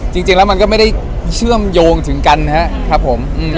จริงแล้วมันก็ไม่ได้เชื่อมโยงถึงกันนะครับผม